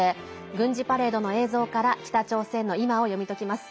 軍事パレードの映像から北朝鮮の今を読み解きます。